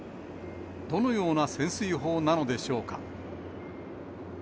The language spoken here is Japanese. どのような潜水法なのでしょうか。